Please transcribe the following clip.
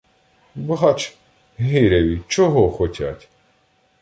Бач, гиряві, чого хотять!